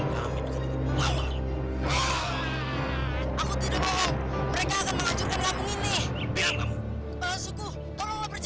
kami bukan bukuk bukuk